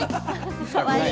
かわいい！